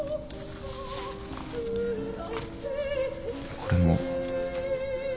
これも。